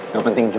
gak penting juga